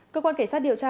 cơ quan cảnh sát điều tra